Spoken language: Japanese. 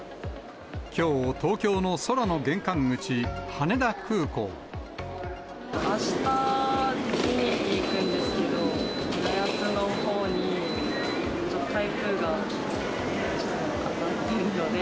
きょう、東京の空の玄関口、あした、ディズニーに行くんですけど、浦安のほうにちょっと台風が当たってるので。